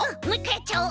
やっちゃおう。